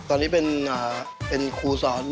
ตอนนี้เป็นเฉริกคู่นาฬเทค